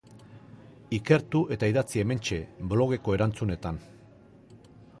Ikertu eta idatzi hementxe, blogeko erantzunetan.